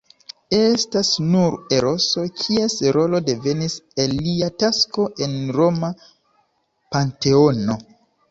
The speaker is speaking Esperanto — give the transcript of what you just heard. Estas nur Eroso, kies rolo devenis el lia tasko en roma panteono.